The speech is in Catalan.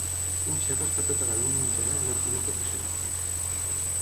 Un xef està preparant un menjar en una cuina professional